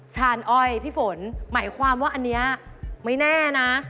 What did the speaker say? ชานอ้อยพี่ฝนหมายความว่าอันนี้ไม่แน่นะ